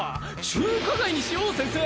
中華街にしよう先生。